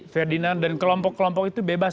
ferdinand dan kelompok kelompok itu bebas